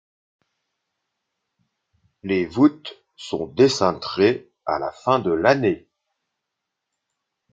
Les voûtes sont décintrées à la fin de l'année.